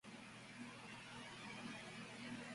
Ned.-Ind., ed.